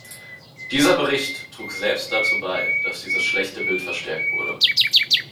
Dieser Bericht trug selbst dazu bei, dass dieses schlechte Bild verstärkt wurde.